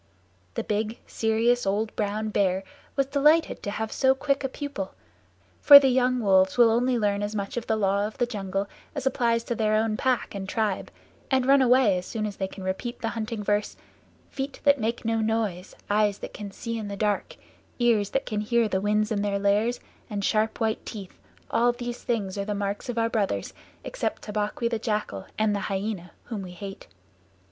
The big, serious, old brown bear was delighted to have so quick a pupil, for the young wolves will only learn as much of the Law of the Jungle as applies to their own pack and tribe, and run away as soon as they can repeat the Hunting Verse "Feet that make no noise; eyes that can see in the dark; ears that can hear the winds in their lairs, and sharp white teeth, all these things are the marks of our brothers except Tabaqui the Jackal and the Hyaena whom we hate."